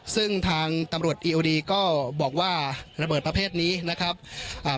ซึ่งทางตำรวจอีโอดีก็บอกว่าระเบิดประเภทนี้นะครับอ่า